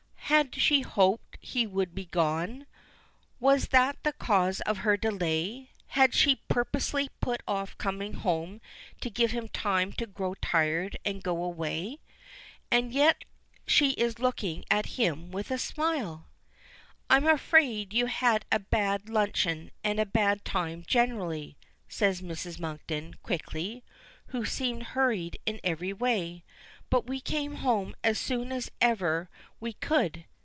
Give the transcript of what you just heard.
Had she hoped he would be gone? Was that the cause of her delay? Had she purposely put off coming home to give him time to grow tired and go away? And yet she is looking at him with a smile! "I am afraid you had a bad luncheon and a bad time generally," says Mrs. Monkton, quickly, who seemed hurried in every way. "But we came home as soon as ever we could.